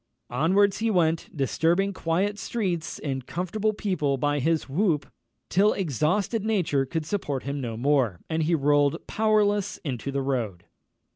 Onwards he went, disturbing quiet streets and comfortable people by his whoop, till exhausted nature could support him no more, and he rolled powerless into the road.